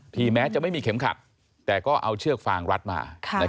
แม้จะไม่มีเข็มขัดแต่ก็เอาเชือกฟางรัดมา